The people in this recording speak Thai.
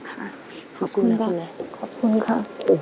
ค่ะขอบคุณครับขอบคุณค่ะ